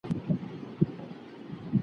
ښوونکی باید د زده کوونکو ملاتړی وي.